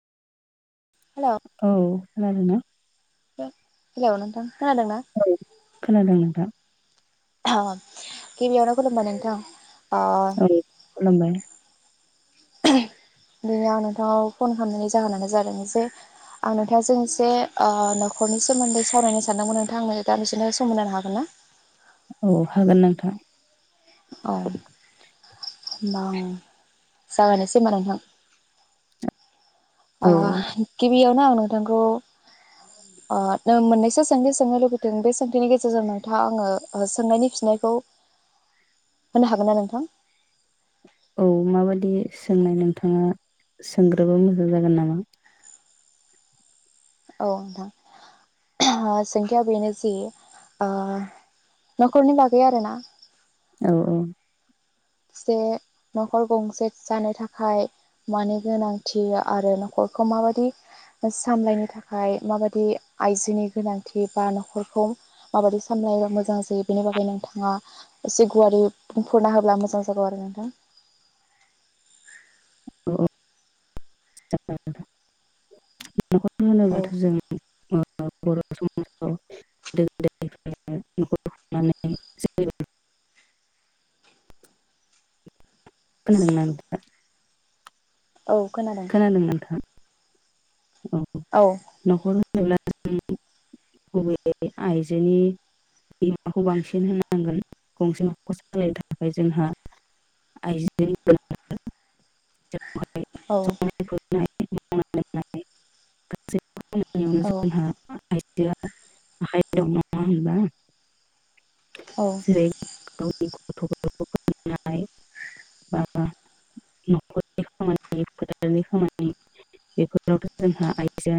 Hello औ खोनादोंना? Hello नोंथां? खोनादोंना? औ खोनदों नोंथां। गिबियावनो खुलुमबाय नोंथां। ओ औ खुलुमबाय। दिनै आं नोंथाङाव फन खामनायनि जाहोनानो जादों जे आं नोंथाङा जों एसे न'खरनि सोमोन्दै सावरायनो सानदोंमोन नोंथाङा आंनो दानदिसेनो हागोन ना? औ हागोन नोंथां। औ होमबा आं जागायनोसै होमबा नोंथां? अ औ गि बियावनो आं नोंथांखौ ओ मोननैसो सोंथि सोंनो लुबैदों बे सोंथिनि गेजेरजों नोंथाङा आङो सोंनायनि फिनायखौ होनो हागोन ना नोंथां? औ माबादि सोंनाय नोंथाङा सोंग्रोबा मोजां जागोन नामा? औ नोंथां सोंथिया बेनो जि ओ न'खरनि बागै आरोना। औ औ जे न'खर गंसे जानो थाखाय मानि गोनांथि आरो नखरखौ माबादि सामलायनो थाखाय माबादि आइजोनि गोनांथि बा न'खरखौ माबायदि सामलायोबा मोजां जायो बेनि बागै नोंथाङा एसे गुवारै बुंफुरना होब्ला मोज जां जागौ आरो नोंथां। [unintelligible] न'खर औ होनोब्लाथ' जों ओ बर' समाजाव गोदो गोनिफ्रायनो न'खर खुंनानै सोलिबो [unintelligible] खोनादोंना नोंथाङा? औ खोनादों। नोंथां औ न'खर हो नोब्ला जों गुबैयै आइजोनि बिहोमाखौ बांसिन होननांगोन गंसे न'खरखौ सालायनो थाखाय जोंहा आइजोनि गोनांथार जो [unintelligible] औ [unintelligible] नाय गासै [unintelligible] औ जोंहा [unintelligible] बि आखाइ दं नङा होनबा? औ जेरै [unintelligible] बेफोरावथ' जोंहा आइ [unintelligible]